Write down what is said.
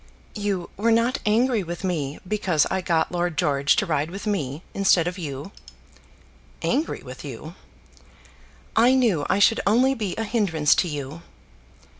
"You were not angry with me because I got Lord George to ride with me instead of you?" "Angry with you?" "I knew I should only be a hindrance to you."